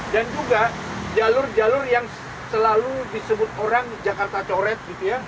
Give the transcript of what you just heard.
dan juga jalur jalur yang selalu disebut orang jakarta coret